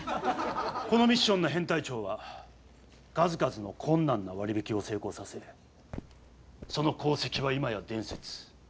このミッションの編隊長は数々の困難な割り引きを成功させその功績は今や伝説。